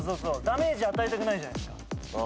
ダメージ与えたくないじゃないっすか。